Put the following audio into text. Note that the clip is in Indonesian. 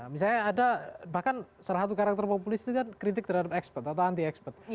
misalnya ada bahkan salah satu karakter populis itu kan kritik terhadap ekspert atau anti ekspat